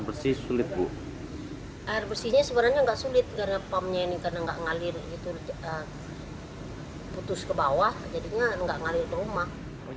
air bersihnya sebenarnya gak sulit karena pumpnya ini karena gak ngalir gitu putus ke bawah jadinya gak ngalir ke rumah